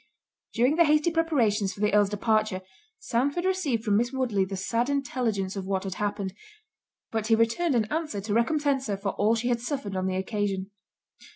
During the hasty preparations for the Earl's departure, Sandford received from Miss Woodley the sad intelligence of what had happened; but he returned an answer to recompence her for all she had suffered on the occasion.